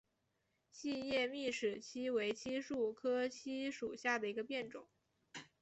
细齿密叶槭为槭树科槭属下的一个变种。